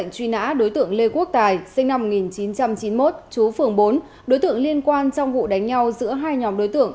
truy nã đối tượng lê quốc tài sinh năm một nghìn chín trăm chín mươi một chú phường bốn đối tượng liên quan trong vụ đánh nhau giữa hai nhóm đối tượng